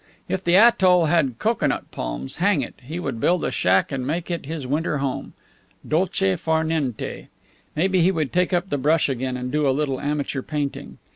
If the atoll had cocoanut palms, hang it, he would build a shack and make it his winter home! Dolce far niente! Maybe he might take up the brush again and do a little amateur painting.